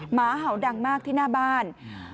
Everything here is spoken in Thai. หมาเห่าดังมากที่หน้าบ้าน